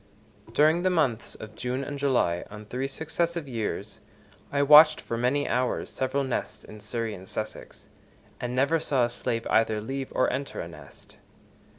During the months of June and July, on three successive years, I watched for many hours several nests in Surrey and Sussex, and never saw a slave either leave or enter a nest.